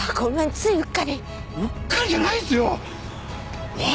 うっかりじゃないですよ。